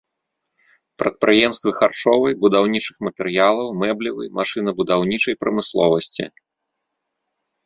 Прадпрыемствы харчовай, будаўнічых матэрыялаў, мэблевай, машынабудаўнічай прамысловасці.